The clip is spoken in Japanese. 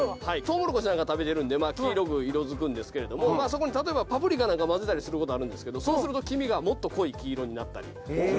トウモロコシなんか食べてるんで黄色く色づくんですけれどもそこに例えばパプリカなんか交ぜたりすることあるんですけどそうすると黄身がもっと濃い黄色になったりするんですよね。